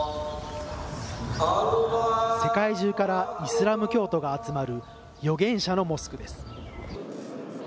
世界中からイスラム教徒が集まる預言者のモスクです。